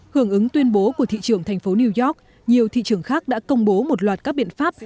hưởng ứng tuyên bố của thị trường thành phố new york nhiều thị trường khác đã công bố một loạt các biện pháp